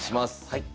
はい。